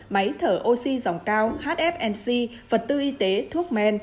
máy thở oxy dòng cao hfnc vật tư y tế thuốc men